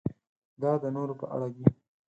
دا د نورو په اړه ده.